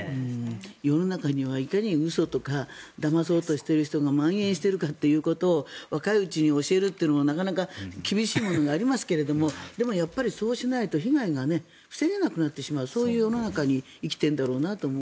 世の中にはいかに嘘とかだまそうとしている人がまん延しているかということを若いうちに教えるのもなかなか厳しいものもありますけどもでもそうしないと被害が防げなくなってしまうそういう世の中に生きているんだろうと思う。